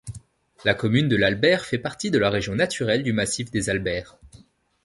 La commune de L'Albère fait partie de la région naturelle du massif des Albères.